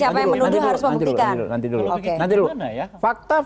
siapa yang menuduh harus membuktikan